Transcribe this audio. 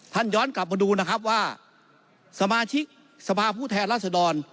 ย้อนกลับมาดูนะครับว่าสมาชิกสภาพผู้แทนรัศดร